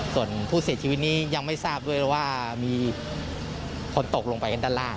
ส่วนผู้เสียชีวิตนี้ยังไม่ทราบด้วยแล้วว่ามีคนตกลงไปกันด้านล่าง